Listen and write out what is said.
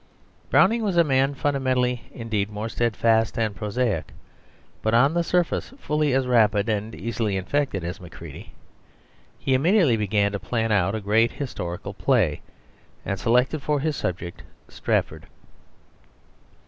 Browning was a man fundamentally indeed more steadfast and prosaic, but on the surface fully as rapid and easily infected as Macready. He immediately began to plan out a great historical play, and selected for his subject "Strafford."